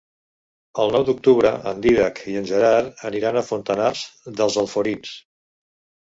El nou d'octubre en Dídac i en Gerard aniran a Fontanars dels Alforins.